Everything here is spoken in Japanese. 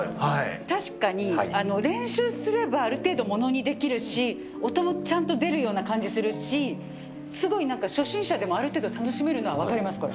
確かに、練習すればある程度ものにできるし、音もちゃんと出るような感じするし、すごいなんか、初心者でもある程度、楽しめるのは分かります、これ。